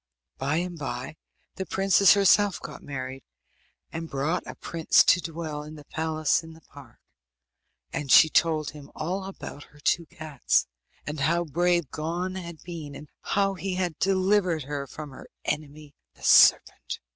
By and bye the princess herself got married, and brought a prince to dwell in the palace in the park. And she told him all about her two cats, and how brave Gon had been, and how he had delivered her from her enemy the serpent.